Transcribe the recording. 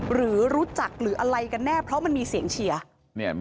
หรือรู้จักหรืออะไรกันแน่เพราะมันมีเสียงเชียร์